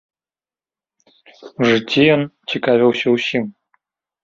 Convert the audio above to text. У жыцці ён цікавіўся ўсім.